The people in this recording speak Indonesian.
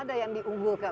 ada yang diunggulkan